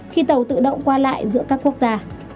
khi tàu tự động qua lại giữa các quốc gia